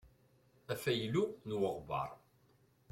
Afaylu n weɣbaṛ.